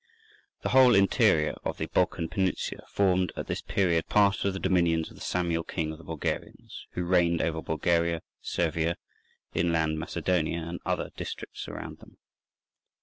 The whole interior of the Balkan Peninsula formed at this period part of the dominions of Samuel King of the Bulgarians, who reigned over Bulgaria, Servia, inland Macedonia, and other districts around them.